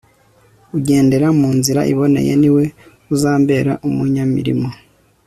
ugendera mu nzira iboneye, ni we uzambera umunyamirimo